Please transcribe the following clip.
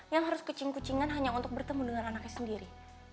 yang harus kucing kucingan hanya untuk bertemu dengan anaknya sendiri